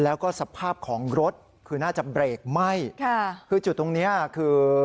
แล้วก็สภาพของรถคือน่าจะเบรกไหม้ค่ะคือจุดตรงเนี้ยคือ